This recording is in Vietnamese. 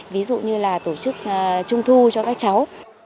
ví dụ như là tổ chức trung thu cho các cháu